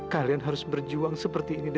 kalian harus berjuang seperti ini demi papa